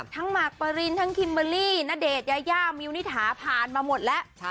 ทั้งมาร์คปารินทั้งคิมเบอร์ลี่ณเดชยาย่ามิวนิถาผ่านมาหมดแล้ว